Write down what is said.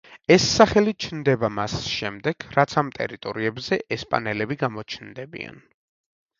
ეს სახელი ჩნდება მას შემდეგ, რაც ამ ტერიტორიებზე ესპანელები გამოჩნდებიან.